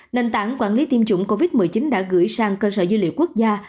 nền tảng quản lý tiêm chủng covid một mươi chín đã gửi sang cơ sở dữ liệu quốc gia